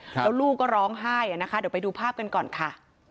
แล้วลูกก็ร้องไห้อะนะคะเดี๋ยวไปดูภาพกันก่อนค่ะ